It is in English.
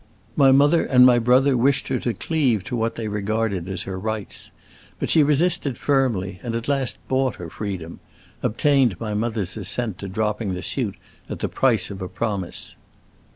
My mother and my brother wished her to cleave to what they regarded as her rights. But she resisted firmly, and at last bought her freedom—obtained my mother's assent to dropping the suit at the price of a promise."